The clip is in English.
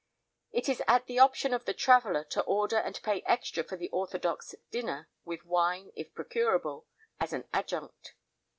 It is at the option of the traveller to order and pay extra for the orthodox "dinner," with wine, if procurable, as an adjunct.